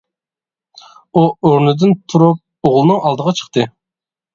ئۇ ئورنىدىن تۇرۇپ ئوغلىنىڭ ئالدىغا چىقتى.